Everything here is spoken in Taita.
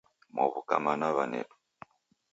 Mwaw'uka mana wanedu?